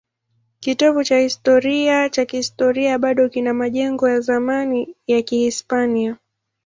Kitovu cha kihistoria bado kina majengo ya zamani ya Kihispania.